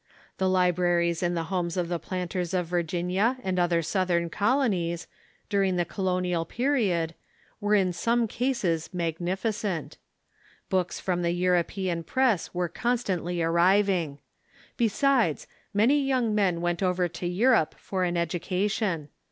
The libraries in the homes of the planters of Virginia and other Southern colonies, during the colonial pe riod, were in some cases magnificent. Books from the Euro pean press were constantly arriving. Besides, many young men went over to Europe for an education.